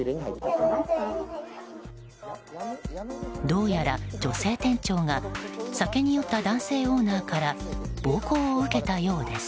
どうやら、女性店長が酒に酔った男性オーナーから暴行を受けたようです。